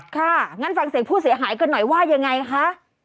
งั้นฟังเสียงผู้เสียหายกันหน่อยว่ายังไงคะ